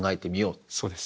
そうです。